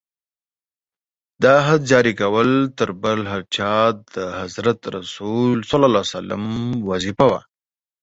د حد جاري کول تر بل هر چا د حضرت رسول ص وظیفه وه.